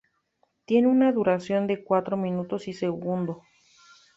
Tiene una duración de cuatro minutos y un segundo.